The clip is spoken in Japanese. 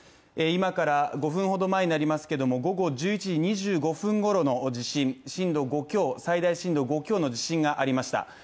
今から５分ほど前になりますけど、午後１１時２５分ごろの地震最大震度５強の地震がありました。